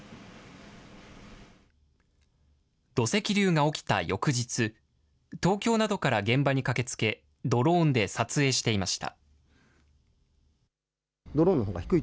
土石流が起きた翌日、東京などから現場に駆けつけ、ドローンで撮影していました。